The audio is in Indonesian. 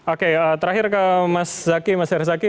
oke terakhir ke mas zaky mas herzaki